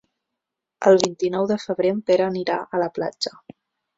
El vint-i-nou de febrer en Pere anirà a la platja.